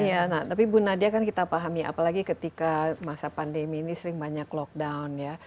iya nah tapi bu nadia kan kita pahami apalagi ketika masa pandemi ini sering banyak lockdown ya